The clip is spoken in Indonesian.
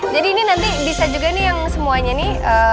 jadi ini nanti bisa juga nih yang semuanya nih